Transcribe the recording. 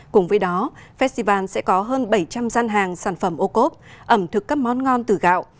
cùng với đó festival sẽ có hơn bảy trăm linh gian hàng sản phẩm ô cốp ẩm thực các món ngon từ gạo